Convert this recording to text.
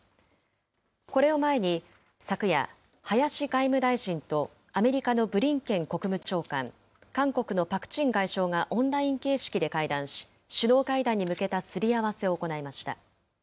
これを前に昨夜、林外務大臣とアメリカのブリンケン国務長官、韓国のパク・チン外相がオンライン形式で会談し、首脳会談に向けたすり合わせを行いました。